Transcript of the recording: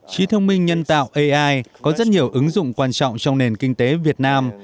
trí thông minh nhân tạo ai có rất nhiều ứng dụng quan trọng trong nền kinh tế việt nam